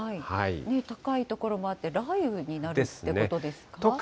高い所もあって、雷雨になるってことですか。ですね。